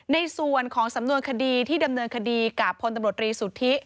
ในส่วนของสำนวนคดีที่ดำเนินคดีกับพลตำรวจรีสุทธิ